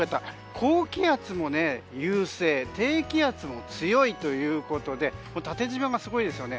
高気圧も優勢低気圧も強いということで縦縞がすごいですよね。